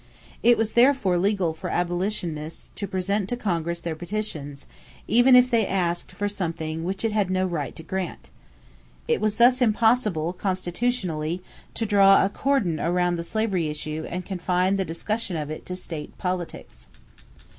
It was therefore legal for abolitionists to present to Congress their petitions, even if they asked for something which it had no right to grant. It was thus impossible, constitutionally, to draw a cordon around the slavery issue and confine the discussion of it to state politics.